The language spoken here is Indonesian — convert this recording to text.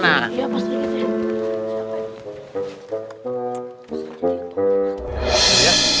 iya pak sirgiti